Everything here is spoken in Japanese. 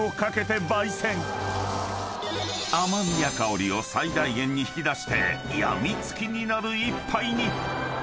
［甘味や香りを最大限に引き出して病みつきになる一杯に］